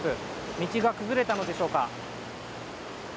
道が崩れたのでしょうか。